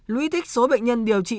lũy thích số bệnh nhân điều trị